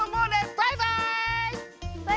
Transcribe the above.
バイバイ！